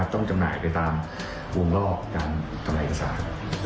ต้องจำหน่ายไปตามวงรอบการทำลายเอกสาร